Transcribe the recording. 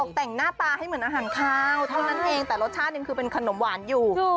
แต่งหน้าตาให้เหมือนอาหารคาวเท่านั้นเองแต่รสชาติยังคือเป็นขนมหวานอยู่